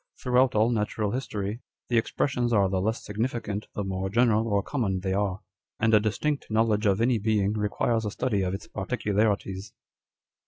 Throughout all natural history, the expressions are the less significant the more general or common they are ; and a distinct knowledge of any being requires a study of its particularities."